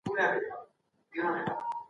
په ارام اعصابو پرېکړې وکړئ.